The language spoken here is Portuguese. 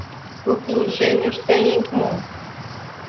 O que os gênios têm em comum